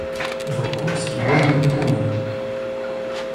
"Wokulski moim opiekunem!..."